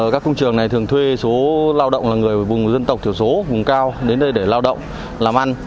các công trường này thường thuê số lao động là người vùng dân tộc thiểu số vùng cao đến đây để lao động làm ăn